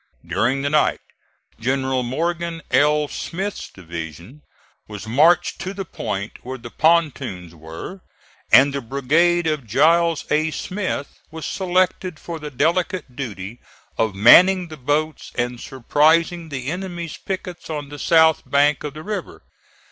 During the night General Morgan L. Smith's division was marched to the point where the pontoons were, and the brigade of Giles A. Smith was selected for the delicate duty of manning the boats and surprising the enemy's pickets on the south bank of the river.